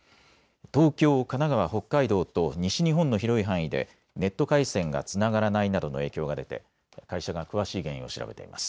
東京、神奈川、北海道と西日本の広い範囲でネット回線がつながらないなどの影響が出て会社が詳しい原因を調べています。